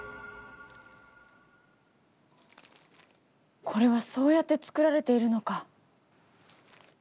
これはそうやって作られているのか。